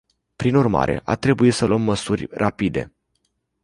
Prin urmare, a trebuit să luăm măsuri rapide.